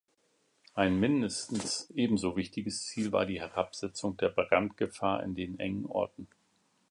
Ein mindestens ebenso wichtiges Ziel war die Herabsetzung der Brandgefahr in den engen Orten.